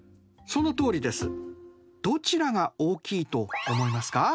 どちらが大きいと思いますか？